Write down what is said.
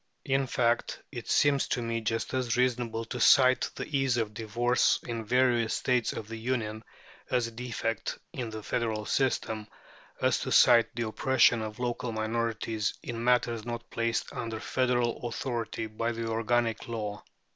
In fact it seems to me just as reasonable to cite the ease of divorce in various States of the Union as a defect in the federal system, as to cite the oppression of local minorities in matters not placed under federal authority by the organic law.